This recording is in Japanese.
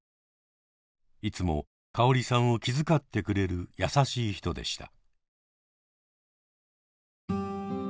いつもかおりさんを気遣ってくれる優しい人でした。